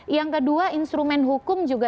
yang kedua instrumen hukum juga